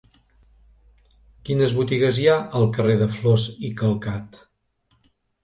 Quines botigues hi ha al carrer de Flos i Calcat?